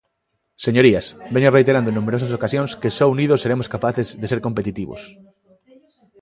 Señorías, veño reiterando en numerosas ocasións que só unidos seremos capaces de ser competitivos.